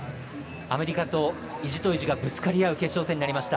アメリカと意地と意地がぶつかり合う決勝戦になりました。